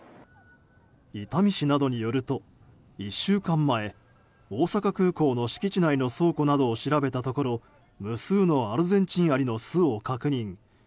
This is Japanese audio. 伊丹市などによると、１週間前大阪空港の敷地内の倉庫などを調べたところ無数のアルゼンチンアリの巣を確認。